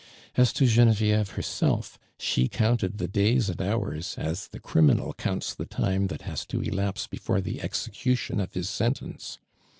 As to Genevieve, herself, slie counted the days and hours as the criminal <;ounts the time that has to elapse before the execution of his sentence.